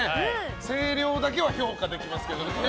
声量だけは評価できますけどね。